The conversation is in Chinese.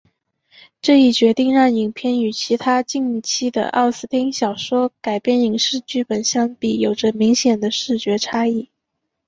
这一决定让影片与其他近期的奥斯汀小说改编影视剧本相比有着明显的视觉差异。